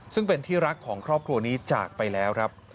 ซึ่งเป็นที่รักของครอบครัวนี้จากไปแล้วครับ